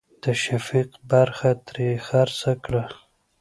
د شفيق برخه ترې خرڅه کړه.